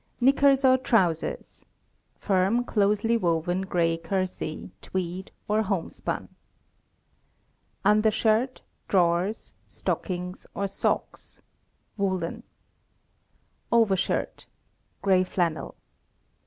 Knickers or trousers (firm, closely woven gray kersey, tweed, or homespun). Undershirt, drawers, stockings, or socks (woolen). Overshirt (gray flannel).